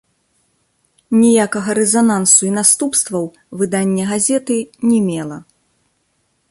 Ніякага рэзанансу і наступстваў выданне газеты не мела.